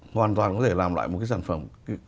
hoàn toàn có thể làm lại một cái sản phẩm